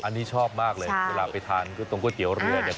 อันนี้ชอบมากเลยเวลาไปทานก๋วตรงก๋วยเตี๋ยวเรือเนี่ย